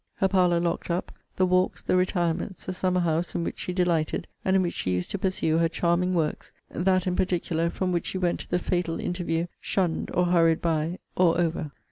Her parlour locked up; the walks, the retirements, the summer house in which she delighted, and in which she used to pursue her charming works; that in particular, from which she went to the fatal interview, shunned, or hurried by, or over!